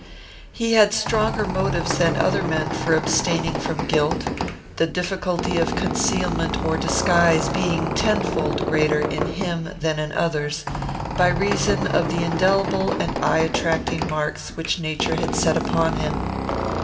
He had stronger motives than other men for abstaining from guilt, the difficulty of concealment or disguise being tenfold greater in him than in others, by reason of the indelible and eye attracting marks which nature had set upon him.